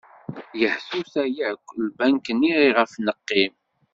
Yehtuta yakk lbenk-nni iɣef neqqim.